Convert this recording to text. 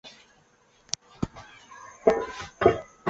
鹬虻科是分类在短角亚目下的虻下目中。